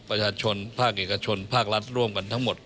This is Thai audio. ประชาชนภาคเอกชนภาครัฐร่วมกันทั้งหมด